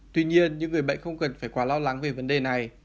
tuy nhiên những người bệnh không cần phải quá lo lắng về vấn đề này